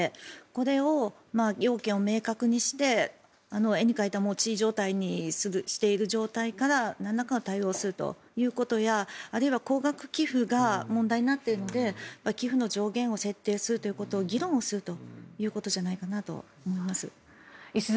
これを要件を明確にして絵に描いた餅状態にしている状態からなんらかの対応をするということやあるいは高額寄付が問題になっているので寄付の上限を設定するということを議論するということじゃないかなと思います。